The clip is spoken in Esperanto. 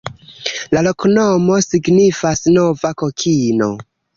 La loknomo signifas: nova-kokino.